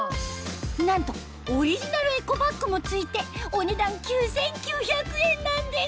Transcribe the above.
なんとオリジナルエコバッグも付いてお値段９９００円なんです